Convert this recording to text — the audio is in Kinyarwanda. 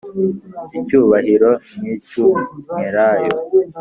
icyubahiro nk icy umwelayo